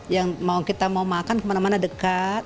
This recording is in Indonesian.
yang kita mau makan kemana mana dekat